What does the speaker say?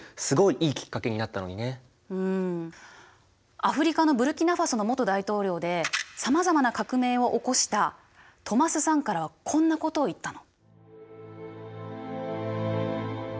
アフリカのブルキナファソの元大統領でさまざまな革命を起こしたトマス・サンカラはこんなことを言ったの。